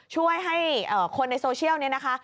ช่วยให้คนในโซเชียลนี้นะคะ